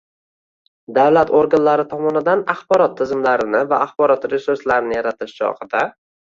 Davlat organlari tomonidan axborot tizimlarini va axborot resurslarini yaratish chog‘ida